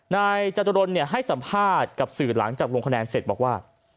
นายจตุรนให้สัมภาษณ์กับสื่อหลังจากลงคะแนนเสร็จบอกว่า